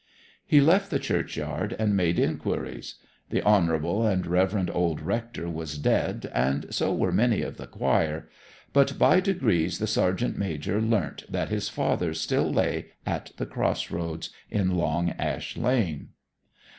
He left the churchyard and made inquiries. The honourable and reverend old rector was dead, and so were many of the choir; but by degrees the sergeant major learnt that his father still lay at the cross roads in Long Ash Lane.